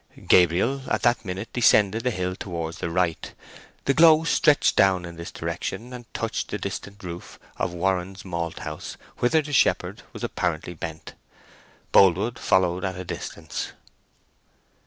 Gabriel, at that minute, descended the hill towards the right. The glow stretched down in this direction now, and touched the distant roof of Warren's Malthouse—whither the shepherd was apparently bent: Boldwood followed at a distance.